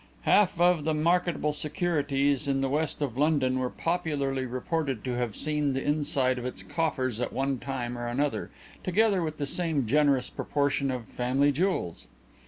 Half of the marketable securities in the west of London were popularly reported to have seen the inside of its coffers at one time or another, together with the same generous proportion of family jewels.